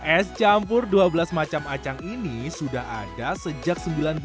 es campur dua belas macam acang ini sudah ada sejak seribu sembilan ratus delapan puluh